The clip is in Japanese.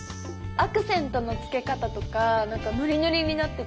アクセントの付け方とかなんかノリノリになってて